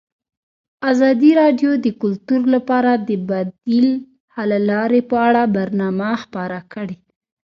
ازادي راډیو د کلتور لپاره د بدیل حل لارې په اړه برنامه خپاره کړې.